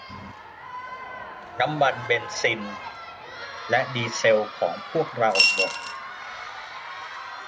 น้ำมันเบนซินและดีเซลของพวกเราหมด